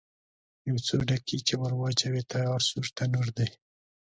یو څو ډکي چې ور واچوې، تیار سور تنور دی.